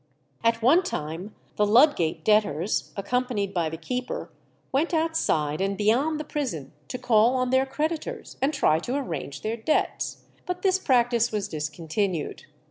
At one time the Ludgate debtors, accompanied by the keeper, went outside and beyond the prison to call on their creditors, and try to arrange their debts, but this practice was discontinued.